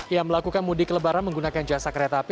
yang melakukan mudik lebaran menggunakan jasa kereta api